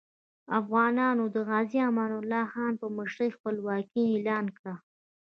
افغانانو د غازي امان الله خان په مشرۍ خپلواکي اعلان کړه.